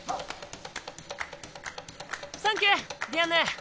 サンキューディアンヌ。